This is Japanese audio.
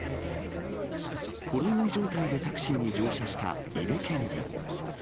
ほろ酔い状態でタクシーに乗車した井手県議。